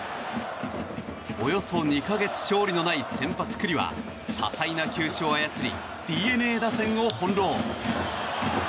およそ２か月勝利のない先発、九里は多彩な球種を操りＤｅＮＡ打線を翻弄。